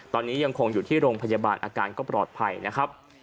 ตอนนี้ยังคงอยู่ที่โรงพยาบาลอาการก็ปลอดภัยนะครับ